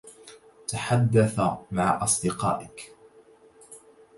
تحدّث مع أصدقائك.